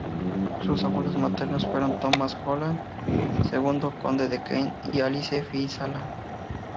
Sus abuelos maternos fueron Thomas Holland, segundo conde de Kent y Alice Fitzalan.